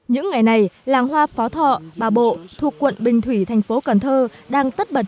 những ngày này làng hoa phó thọ bà bộ thuộc quận bình thủy thành phố cần thơ đang tất bật